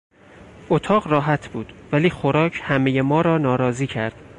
اتاق راحت بود ولی خوراک همهی ما را ناراضی کرد.